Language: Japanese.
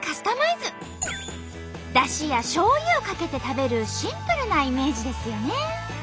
だしやしょうゆをかけて食べるシンプルなイメージですよね。